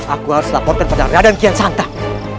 aku harus laporkan pada raya dan kian santang